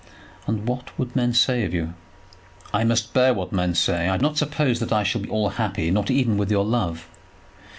"And what would men say of you?" "I must bear what men say. I do not suppose that I shall be all happy, not even with your love.